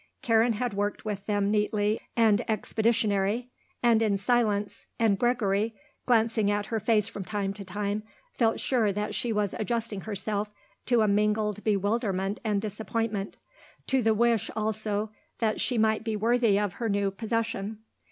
Karen had worked with them neatly and expeditionary, and in silence, and Gregory, glancing at her face from time to time, felt sure that she was adjusting herself to a mingled bewilderment and disappointment; to the wish also, that she might be worthy of her new possession.